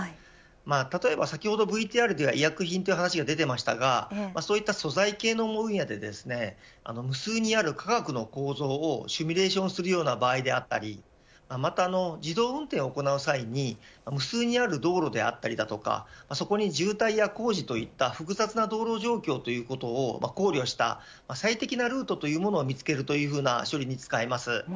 例えば先ほどＶＴＲでは医薬品という話がありましたがそういった素材系の分野で無数にある化学の構造をシミュレーションするような場合であったりまた自動運転を行う際に無数にある道路であったりそこに渋滞や工事といった複雑な道路状況ということを考慮した最適なルートというものを見つけるというふうな処理に使います。